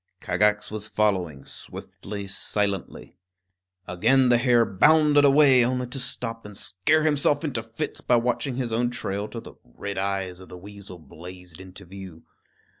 Kagax was following, swiftly, silently. Again the hare bounded away, only to stop and scare himself into fits by watching his own trail till the red eyes of the weasel blazed into view.